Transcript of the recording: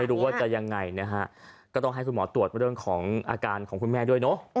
ไม่รู้ว่าจะยังไงนะฮะก็ต้องให้คุณหมอตรวจเรื่องของอาการของคุณแม่ด้วยเนอะ